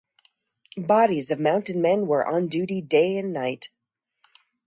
Bodies of mounted men were on duty day and night.